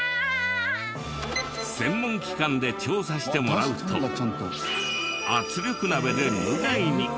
専門機関で調査してもらうと圧力鍋で無害に。